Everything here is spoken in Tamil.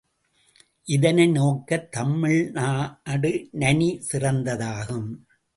இதனை நோக்கத் தமிழ்நாடு நனி சிறந்ததாகும்.